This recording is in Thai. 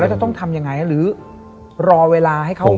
จะต้องทำยังไงหรือรอเวลาให้เขา